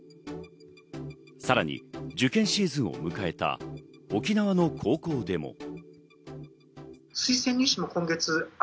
さらに受験シーズンを迎えた沖縄の高校でも。